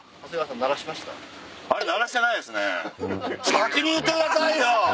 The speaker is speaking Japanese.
先に言ってくださいよ！